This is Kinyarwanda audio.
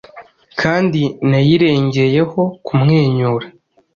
Kandi nayirengeyeho kumwenyura,